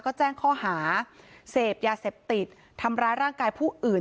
ก็แจ้งข้อหาเสพยาเสพติดทำร้ายร่างกายผู้อื่น